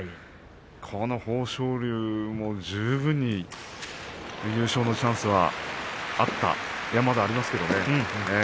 この豊昇龍も十分に優勝のチャンスはあったまだありますけどね。